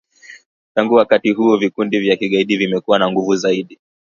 Tangu wakati huo vikundi vya kigaidi vimekuwa na nguvu zaidi.